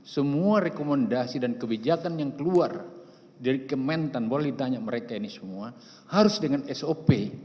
semua rekomendasi dan kebijakan yang keluar dari kementan boleh ditanya mereka ini semua harus dengan sop